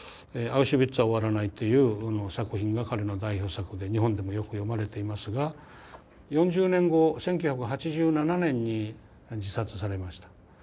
「アウシュビッツは終わらない」という作品が彼の代表作で日本でもよく読まれていますが４０年後１９８７年に自殺されました。